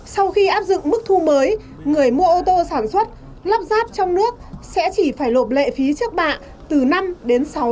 sau khi áp dựng mức thu mới người mua ô tô sản xuất lắp ráp trong nước sẽ chỉ phải lộp lệ phí chiếc bạ từ năm đến sáu